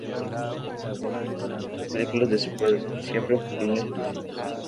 Actuó en algunas películas de su padre, siempre en pequeños papeles.